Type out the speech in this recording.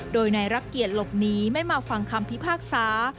โดยนายรักเกียจหลบหนีไม่มาฟังคำพิพากษา